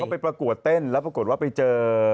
ไปประกวดเต้นแล้วปรากฏว่าไปเจอ